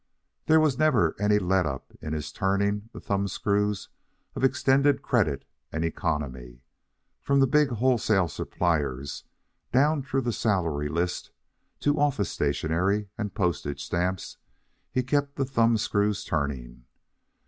There was never any let up in his turning the thumb screws of extended credit and economy. From the big wholesale suppliers down through the salary list to office stationery and postage stamps, he kept the thumb screws turning.